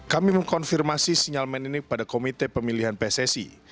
kami mengkonfirmasi sinyalmen ini pada komite pemilihan pssi